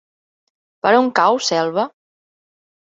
Per on cau Selva?